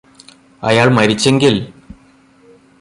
അയാള് മരിച്ചെങ്കില്